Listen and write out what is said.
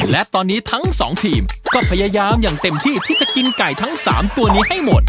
และตอนนี้ทั้งสองทีมก็พยายามอย่างเต็มที่ที่จะกินไก่ทั้ง๓ตัวนี้ให้หมด